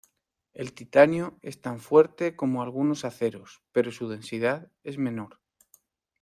El titanio es tan fuerte como algunos aceros, pero su densidad es menor.